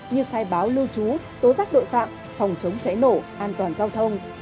như khai báo lưu trú tố rắc đội phạm phòng chống chảy nổ an toàn giao thông